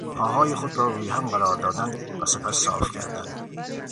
پاهای خود را روی هم قرار دادن و سپس صاف کردن